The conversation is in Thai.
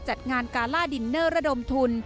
จัดงานกาล่าดินเนอร์ระดมทุน